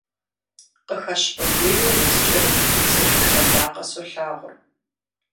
Къыхэщ къудейуэ удз кӀырым, Зы жыг лъэдакъэ солъагъур.